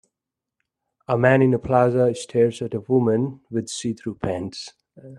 A man in a plaza stares at a woman with see through pants.